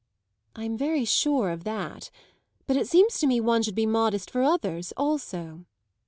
"I'm very sure of that; but it seems to me one should be modest for others also!"